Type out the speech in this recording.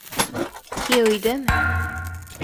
Кейәү өйҙәме?